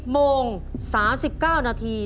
ไม่ใช่๑๙นาที